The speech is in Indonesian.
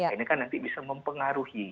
ini kan nanti bisa mempengaruhi